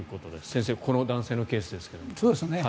先生、この男性のケースですが。